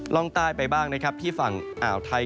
ล่องใต้ไปบ้างที่ฝั่งอ่าวไทย